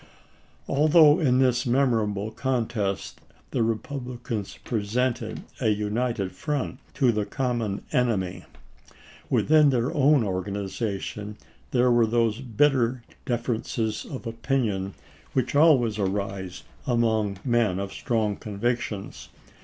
Although in this memorable contest the Re publicans presented a united front to the common enemy, within their own organization there were those bitter differences of opinion which always arise among men of strong convictions.